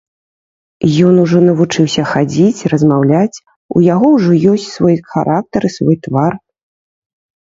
Ён ужо навучыўся хадзіць, размаўляць, у яго ўжо ёсць свой характар і свой твар.